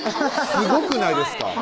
すごくないですか？